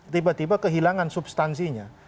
tiba tiba kehilangan substansinya